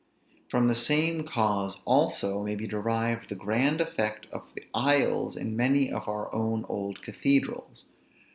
From the same cause also may be derived the grand effect of the aisles in many of our own old cathedrals.